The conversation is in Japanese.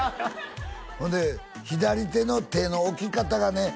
ほんで左手の手の置き方がね